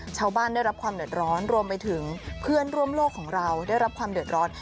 ชาวบ้านได้รับความเดือดร้อนรวมไปถึงเพื่อนร่วมโลกของเราได้รับความเดือดร้อน